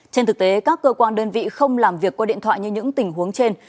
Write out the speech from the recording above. trên thực tế các cơ quan đơn vị không làm việc qua điện thoại như những tình huống trên